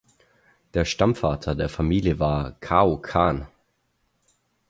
Der Stammvater der Familie war Cao Can.